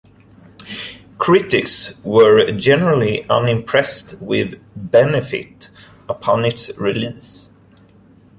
Critics were generally unimpressed with "Benefit" upon its release.